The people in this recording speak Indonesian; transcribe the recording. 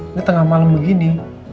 ini tengah malam begini